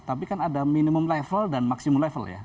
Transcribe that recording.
tapi kan ada minimum level dan maksimum level ya